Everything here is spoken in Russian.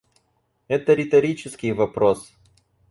Это риторический вопрос.